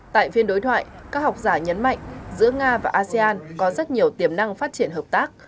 tại phiên đối thoại các học giả nhấn mạnh giữa nga và asean có rất nhiều tiềm năng phát triển hợp tác